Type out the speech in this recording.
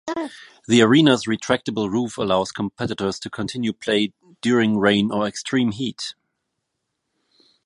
The arena's retractable roof allows competitors to continue play during rain or extreme heat.